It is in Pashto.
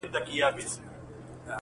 نن به څه خورې سړه ورځ پر تېرېدو ده؛